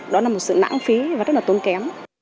đó là một sự lãng phí và rất là tốn kém